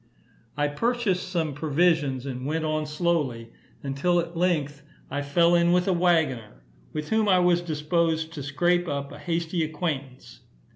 I purchased some provisions, and went on slowly, until at length I fell in with a waggoner, with whom I was disposed to scrape up a hasty acquaintance.